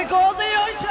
よいしょ！